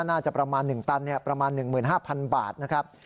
น่าจะประมาณ๑ตันประมาณ๑๕๐๐๐บาทนะครับ